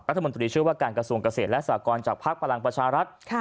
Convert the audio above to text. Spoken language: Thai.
รัฐมนตรีช่วยว่าการกระทรวงเกษตรและสากรจากภักดิ์พลังประชารัฐ